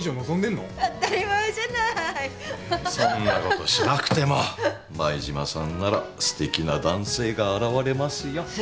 そんなことしなくても舞島さんならすてきな男性が現れますよ。